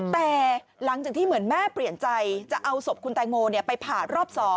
แต่หลังจากที่เหมือนแม่เปลี่ยนใจจะเอาศพคุณแตงโมไปผ่ารอบ๒